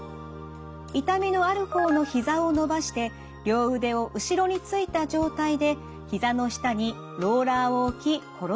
痛みのある方のひざを伸ばして両腕を後ろについた状態でひざの下にローラーを置き転がします。